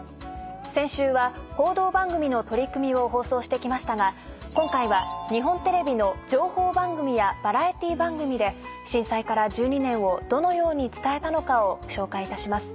先週は報道番組の取り組みを放送してきましたが今回は日本テレビの情報番組やバラエティー番組で震災から１２年をどのように伝えたのかを紹介いたします。